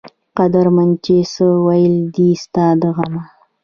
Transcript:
قدرمند چې څۀ وئيل دي ستا د غمه